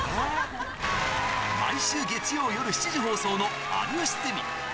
毎週月曜夜７時放送の有吉ゼミ。